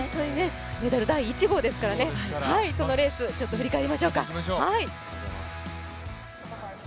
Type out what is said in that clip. メダル第１号ですから、そのレース、ちょっと振り返りましょうか。